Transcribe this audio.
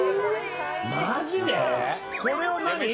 マジで！